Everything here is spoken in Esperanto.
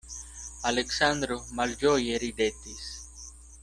Aleksandro malĝoje ridetis.